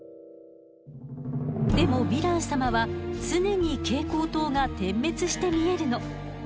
でもヴィラン様は常に蛍光灯が点滅して見えるの。